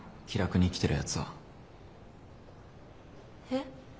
気楽に生きてるやつは。え？